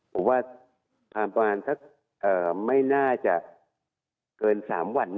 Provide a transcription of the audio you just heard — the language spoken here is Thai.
ผมว่าทางประวัติศาสตร์ไม่น่าจะเกิน๓วัน